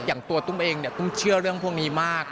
อย่างตัวตุ้มเองเนี่ยตุ้มเชื่อเรื่องพวกนี้มาก